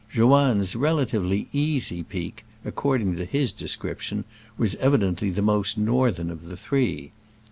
Joanne's "relatively easy" peak, according to his description, was evi dently the most northern of the three.